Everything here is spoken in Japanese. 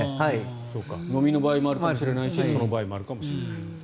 ノミの場合もあるかもしれないしその場合もあるかもしれないし。